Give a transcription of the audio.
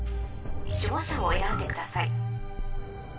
守護者を選んでください。